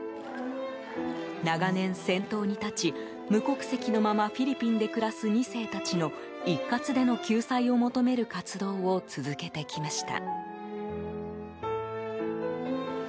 長年先頭に立ち、無国籍のままフィリピンで暮らす２世たちの一括での救済を求める活動を続けてきました。